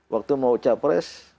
waktu mau ucap pres